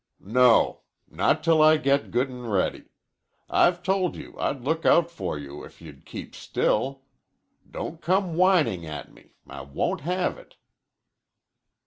"No. Not till I get good and ready. I've told you I'd look out for you if you'd keep still. Don't come whining at me. I won't have it."